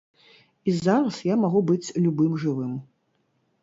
І зараз я магу быць любым жывым.